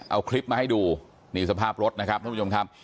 เอาคลิปมาให้ดูนี่สภาพรถนะครับท่านผู้ชมครับ